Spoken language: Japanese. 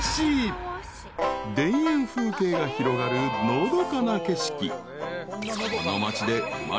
［田園風景が広がるのどかな景色］